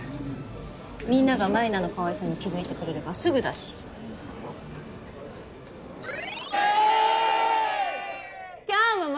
みんなが舞菜のかわいさに気付いてくれればすぐだしイェーイ！